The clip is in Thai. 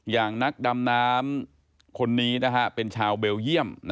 อย่างนักดำน้ำคนนี้เป็นชาวเบลเยี่ยม